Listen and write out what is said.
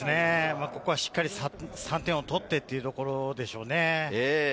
しっかり３点を取ってというところでしょうね。